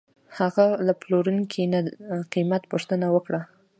هغه له پلورونکي نه قیمت پوښتنه وکړه.